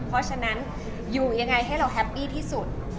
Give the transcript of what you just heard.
เพราะฉะนั้นอยู่ยังไงให้เราแฮปปี้ที่สุด